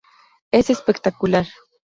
Es espectacular.